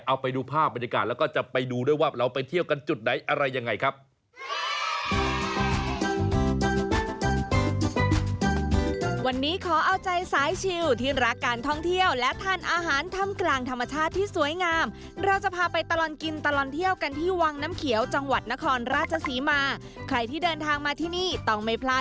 เอาไปดูภาพบรรยากาศแล้วก็จะไปดูด้วยว่าเราไปเที่ยวกันจุดไหนอะไรยังไงครับ